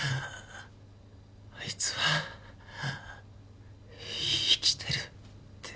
あいつは生きてるって。